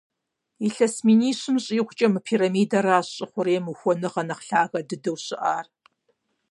Илъэс минищым щӀигъукӀэ мы пирамидэращ щӀы хъурейм ухуэныгъэ нэхъ лъагэ дыдэу щыӀар.